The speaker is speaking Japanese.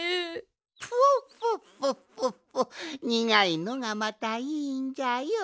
フォッフォッフォッフォッフォッにがいのがまたいいんじゃよ。